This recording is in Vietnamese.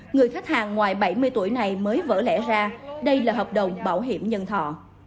người khách hàng ngoài bảy mươi tuổi này mới vỡ lẽ ra đây là hợp đồng bảo hiểm nhân thọ